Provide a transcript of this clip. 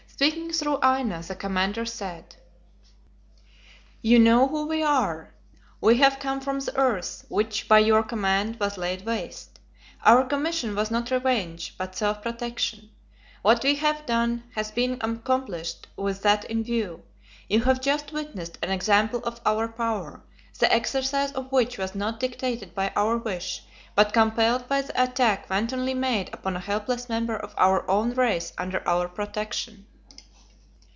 Speaking through Aina, the commander said: "You know who we are. We have come from the earth, which, by your command, was laid waste. Our commission was not revenge, but self protection. What we have done has been accomplished with that in view. You have just witnessed an example of our power, the exercise of which was not dictated by our wish, but compelled by the attack wantonly made upon a helpless member of our own race under our protection."